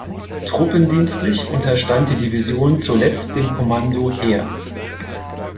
Truppendienstlich unterstand die Division zuletzt dem Kommando Heer.